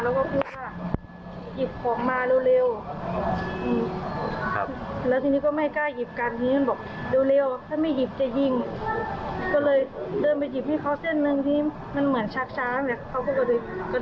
แล้วก็พูดว่าหยิบของมาเร็วเร็วครับแล้วทีนี้ก็ไม่กล้าหยิบกัน